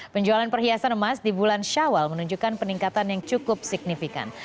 penjualan perhiasan emas di bulan syawal menunjukkan peningkatan yang cukup signifikan